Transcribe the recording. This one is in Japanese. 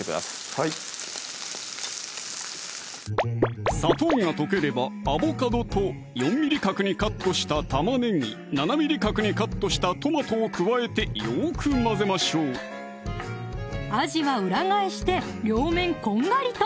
はい砂糖が溶ければアボカドと４ｍｍ角にカットした玉ねぎ７ｍｍ角にカットしたトマトを加えてよく混ぜましょうあじは裏返して両面こんがりと！